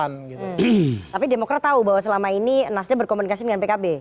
tapi demokrat tahu bahwa selama ini nasdem berkomunikasi dengan pkb